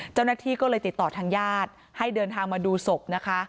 เจ้าหน้าที่ก็เลยติดต่อทางญาติให้เดินทางมาดูศพนะคะ